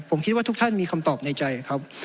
ผมคิดว่าทุกท่านมีคำตอบในใจครับ